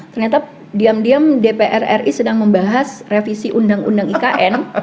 ternyata diam diam dpr ri sedang membahas revisi undang undang ikn